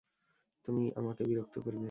তুমি আমাকে বিরক্ত করবে।